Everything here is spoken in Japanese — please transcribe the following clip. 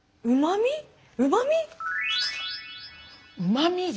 うまみ舌。